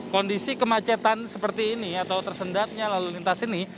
kondisi kemacetan seperti ini atau tersendatnya lalu lintas ini